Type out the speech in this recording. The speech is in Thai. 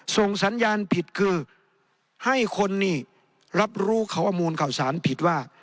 ส่งสัญญาณผิดคือให้คนนี่รับรู้เขามูลข่าวสารผิดว่า